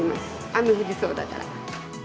雨降りそうだから。